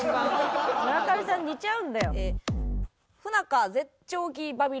村上さん似ちゃうんだよ。